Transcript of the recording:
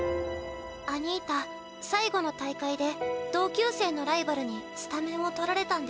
アニータ最後の大会で同級生のライバルにスタメンを取られたんですよね。